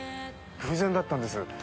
偶然だったんです。